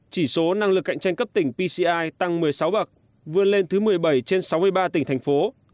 chỉ số năng lực cạnh tranh cấp tỉnh pci tăng một mươi sáu bậc vươn lên thứ một mươi bảy trên sáu mươi ba tỉnh thành phố